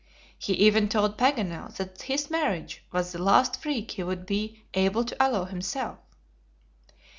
He even told Paganel that his marriage was the last freak he would be able to allow himself.